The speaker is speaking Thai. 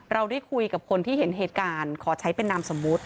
เราได้คุยกับคนที่เห็นเหตุการณ์ขอใช้เป็นนามสมมุติ